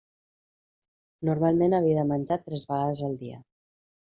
Normalment havia de menjar tres vegades al dia.